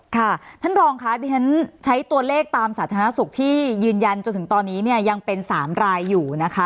ค่ะท่านรองค่ะที่ฉันใช้ตัวเลขตามสาธารณสุขที่ยืนยันจนถึงตอนนี้เนี่ยยังเป็น๓รายอยู่นะคะ